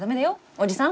おじさん。